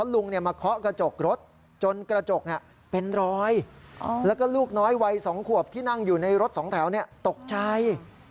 แล้วก็ลูกน้อยวัย๒ขวบที่นั่งอยู่ในรถ๒แถวตกใจ